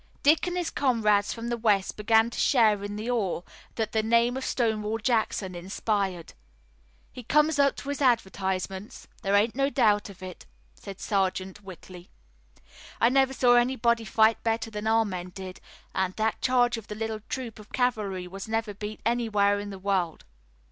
Dick and his comrades from the west began to share in the awe that the name of Stonewall Jackson inspired. "He comes up to his advertisements. There ain't no doubt of it," said Sergeant Whitley. "I never saw anybody fight better than our men did, an' that charge of the little troop of cavalry was never beat anywhere in the world.